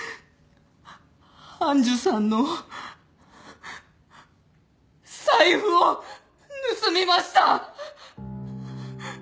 愛珠さんの財布を盗みました！